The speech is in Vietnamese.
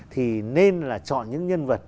thì nên là chọn những nhân vật